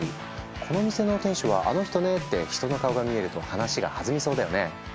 「この店の店主はあの人ね」って人の顔が見えると話が弾みそうだよね。